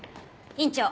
院長